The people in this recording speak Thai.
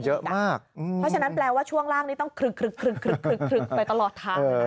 เพราะฉะนั้นแปลว่าช่วงล่างนี้ต้องคลึกไปตลอดทางเลยนะ